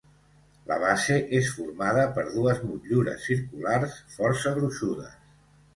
La base és formada per dues motllures circulars força gruixudes.